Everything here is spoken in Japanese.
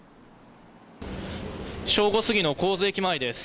正午過ぎの国府津駅前です。